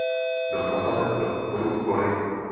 Byl nasazen do bojů v Koreji.